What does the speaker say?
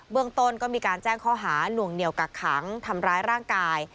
เรื่องต้นก็มีการแจ้งข้อหาหน่วงเหนียวกักขังทำร้ายร่างกาย